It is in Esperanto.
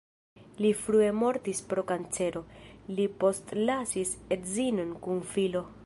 Li frue mortis pro kancero, li postlasis edzinon kun filo.